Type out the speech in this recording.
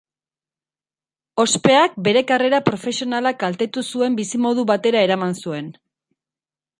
Ospeak, bere karrera profesionala kaltetu zuen bizimodu batera eraman zuen.